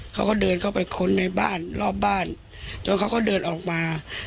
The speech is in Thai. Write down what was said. เขาก็เดินเข้าไปค้นในบ้านรอบบ้านจนเขาก็เดินออกมา